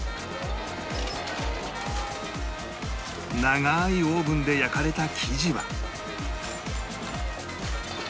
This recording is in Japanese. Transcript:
長いオーブンで焼かれた生地は